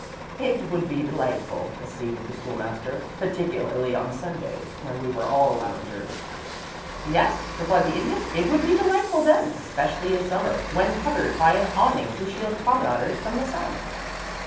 "It would be delightful," acceded the School master, "particularly on Sundays, when they were all loungers." "Yes," replied the Idiot. "It would be delightful then, especially in summer, when covered with an awning to shield promenaders from the sun."